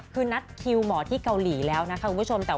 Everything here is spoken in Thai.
คือนัดคิวหมอที่เกาหลีแล้วนะคะคุณผู้ชม